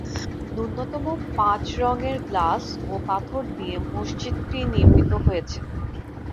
ন্যূনতম পাঁচ রঙের গ্লাস ও পাথর দিয়ে মসজিদটি নির্মিত হয়েছে।